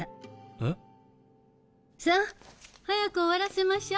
えっ？さあ早く終わらせましょう。